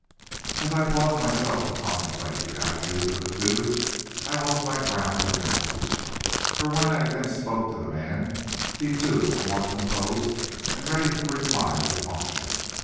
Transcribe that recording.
As I paused myself to contemplate the attitudes of the two, I lost my ground of vantage, for when I again spoke to the man, he too was more composed and ready to reply with caution.